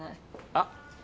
あっ。